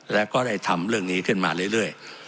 แล้วก็ได้ทำเรื่องนี้ขึ้นมาเรื่อย